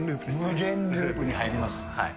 無限ループになります。